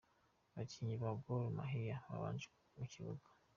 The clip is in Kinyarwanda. Abakinnyi ba Gor Mahia babanje mu kibuga:.